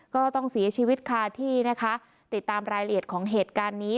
ก็ต้องเสียชีวิตคาที่นะคะติดตามรายละเอียดของเหตุการณ์นี้